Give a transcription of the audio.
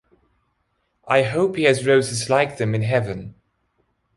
I hope he has roses like them in heaven.